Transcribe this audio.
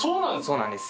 そうなんです。